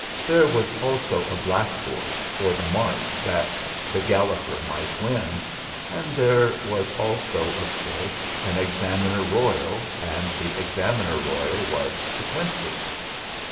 There was also a blackboard for the marks that the Gal loper might win. And there was also, of course, an Examiner Royal, and the Examiner Royal was De Quincey.